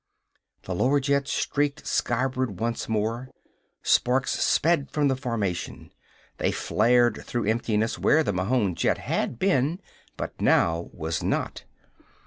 The lower jet streaked skyward once more. Sparks sped from the formation. They flared through emptiness where the Mahon jet had been but now was not.